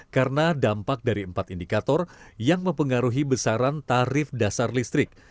karena dampak dari empat indikator yang mempengaruhi besaran tarif dasar listrik